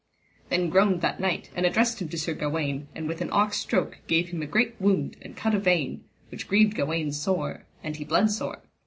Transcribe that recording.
Then groaned that knight, and addressed him to Sir Gawaine, and with an awk stroke gave him a great wound and cut a vein, which grieved Gawaine sore, and he bled sore.